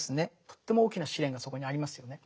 とっても大きな試練がそこにありますよね。